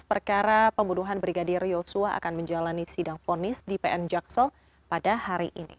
perkara pembunuhan brigadir yosua akan menjalani sidang ponis di pn jaksal pada hari ini